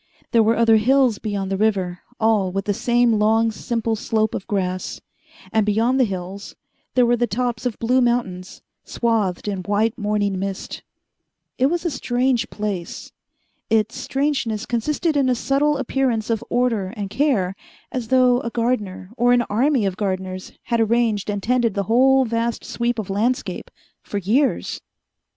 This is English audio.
There were other hills beyond the river, all with the same long, simple slope of grass; and, beyond the hills, there were the tops of blue mountains, swathed in white morning mist. It was a strange place. Its strangeness consisted in a subtle appearance of order and care, as though a gardener or an army of gardeners had arranged and tended the whole vast sweep of landscape for years.